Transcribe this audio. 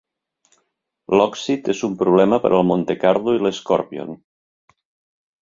L'òxid és un problema per al Montecarlo i l'Scorpion.